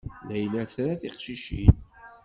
Layla tra tiqcicin.